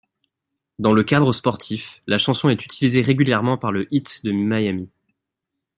Dans le cadre sportif, la chanson est utilisée régulièrement par le Heat de Miami.